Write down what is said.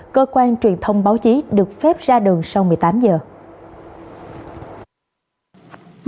cơ quan truyền thông báo chí được phép ra đường sau một mươi tám giờ